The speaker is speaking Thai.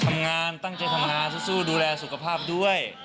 ทำงานตั้งใจทำงานสู้ดูแลสุขภาพด้วย